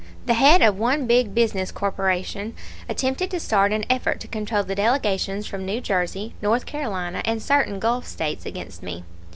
The head of one big business corporation attempted to start an effort to control the delegations from New Jersey, North Carolina, and certain Gulf States against me.